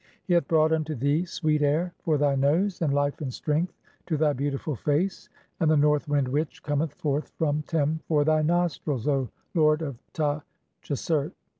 He hath brought unto thee sweet air (6) for thy nose; "and life and strength to thy beautiful face ; and the north "wind which (7) cometh forth from Tem for thy nostrils, O "lord of (8) Ta tchesert.